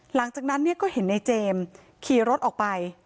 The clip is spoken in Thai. หลังจากนั้นเนี่ยก็เห็นในเจมส์ขี่รถออกไป